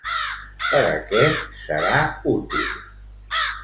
Per a què serà útil?